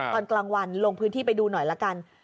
ตอนกลางวันลงพื้นที่ไปดูหน่อยละกัน